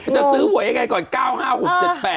จะซื้อหวยยังไงก่อน๙๕๖๗๘